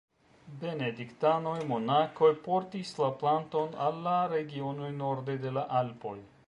Benediktanoj-monakoj portis la planton al la regionoj norde de la Alpoj.